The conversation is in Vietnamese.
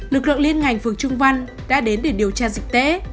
lực lượng liên ngành phương trung văn đã đến để điều tra dịch tế